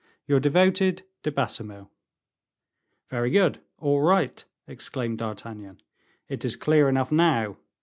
"Your devoted "DE BAISEMEAUX." "Very good! all right!" exclaimed D'Artagnan; "it is clear enough now.